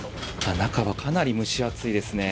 中はかなり蒸し暑いですね。